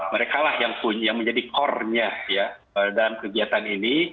mereka lah yang punya yang menjadi core nya ya dalam kegiatan ini